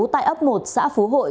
tại ấp một xã phú hội